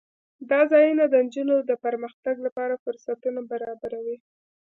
دا ځایونه د نجونو د پرمختګ لپاره فرصتونه برابروي.